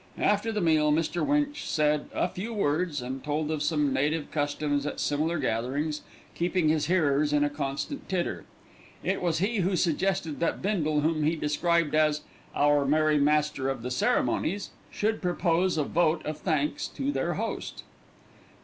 After the meal Mr. Winch said "a few words," and told of some native customs at similar gatherings, keeping his hearers in a constant titter. It was he who suggested that Bindle, whom he described as "our merry master of the ceremonies," should propose a vote of thanks to their host.